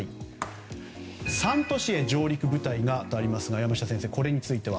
３都市へ上陸部隊がとありますが山下先生、これについては？